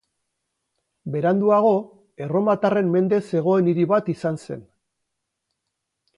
Beranduago, erromatarren mende zegoen hiri bat izan zen.